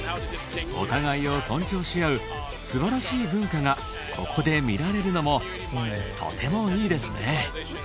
お互いを尊重し合う素晴らしい文化がここで見られるのもとてもいいですね。